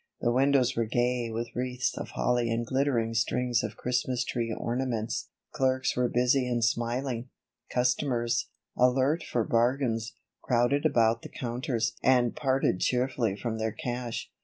The windows were gay with wreaths of holly and glittering strings of Christmas tree ornaments. Clerks were busy and smiling. Customers, alert for bargains, crowded about the counters and parted cheerfully from their cash.